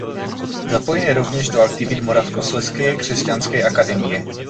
Zapojen je rovněž do aktivit Moravskoslezské křesťanské akademie.